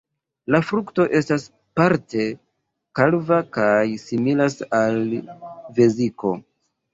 La frukto estas parte kalva kaj similas al veziko.